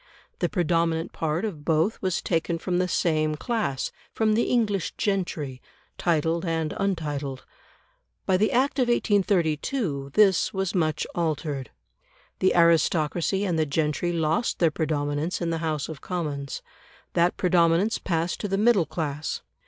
The predominant part of both was taken from the same class from the English gentry, titled and untitled. By the Act of 1832 this was much altered. The aristocracy and the gentry lost their predominance in the House of Commons; that predominance passed to the middle class.